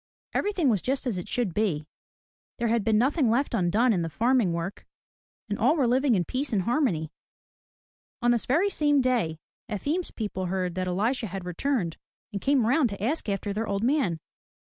Everything was just as it should be. There had been nothing left undone in the farm work and all were living in peace and harmony. On this very same day Efim*s people heard that Elisha had returned, and came round to ask after their old man.